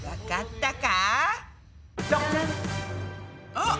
あっ。